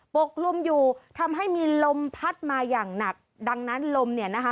กลุ่มอยู่ทำให้มีลมพัดมาอย่างหนักดังนั้นลมเนี่ยนะคะ